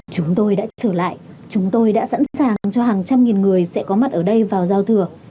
chúng tôi đã trở lại chúng tôi đã sẵn sàng cho hàng trăm nghìn người sẽ có mặt ở đây vào giao thừa